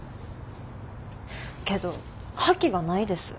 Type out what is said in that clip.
けど覇気がないです。